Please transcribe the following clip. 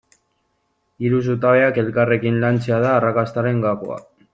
Hiru zutabeak elkarrekin lantzea da arrakastaren gakoa.